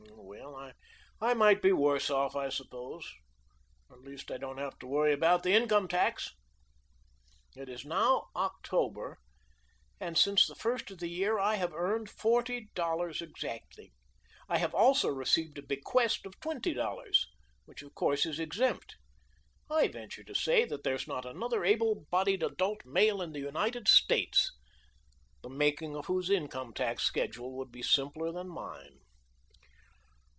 Oh, well I might be worse off, I suppose. At least I don't have to worry about the income tax. "It is now October, and since the first of the year I have earned forty dollars exactly. I have also received a bequest of twenty dollars, which of course is exempt. I venture to say that there is not another able bodied adult male in the United States the making of whose income tax schedule would be simpler than mine."